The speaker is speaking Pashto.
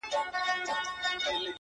ستا خيال وفكر او يو څو خـــبـــري;